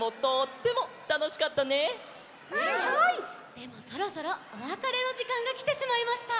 でもそろそろおわかれのじかんがきてしまいました。